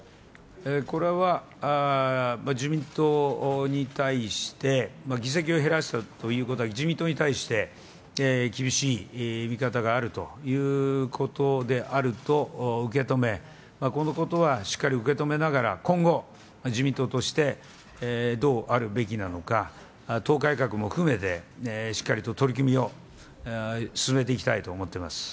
これは、自民党に対して、議席を減らしたということは、自民党に対して、厳しい見方があるということであると受け止め、このことはしっかり受け止めながら、今後、自民党としてどうあるべきなのか、党改革も含めて、しっかりと取り組みを進めていきたいと思ってます。